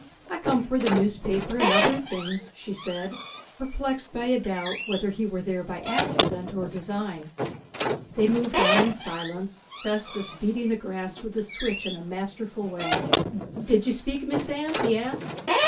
'I come for the newspaper and other things,' she said, perplexed by a doubt whether he were there by accident or design. They moved on in silence, Festus beating the grass with his switch in a masterful way. 'Did you speak, Mis'ess Anne?' he asked.